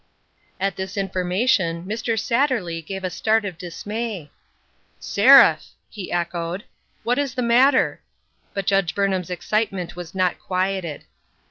At this information, Mr. Satterley gave a start of dismay. " Seraph !" he echoed, " what is the matter?" But Judge Burnham's excitement was not quieted.